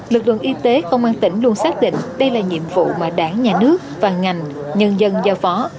lực lượng y tế công an tỉnh luôn xác định đây là nhiệm vụ mà đảng nhà nước và ngành nhân dân giao phó